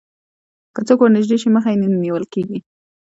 که څوک ورنژدې شي مخه یې نیول کېږي